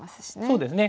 そうですね。